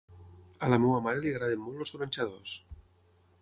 A la meva mare li agraden molt els gronxadors.